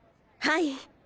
はい。